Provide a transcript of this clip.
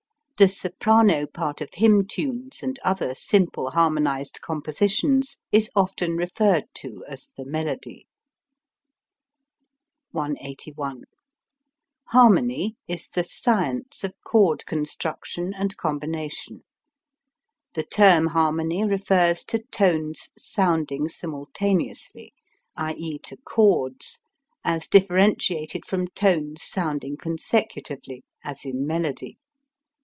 The soprano part of hymn tunes and other simple harmonized compositions is often referred to as "the melody." 181. Harmony is the science of chord construction and combination. The term harmony refers to tones sounding simultaneously, i.e., to chords, as differentiated from tones sounding consecutively, as in melody.